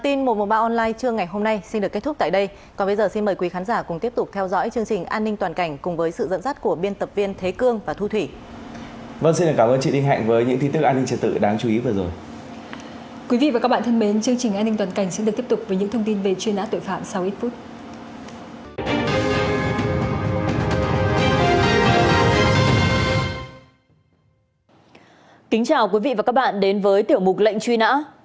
kính chào quý vị và các bạn đến với tiểu mục lệnh truy nã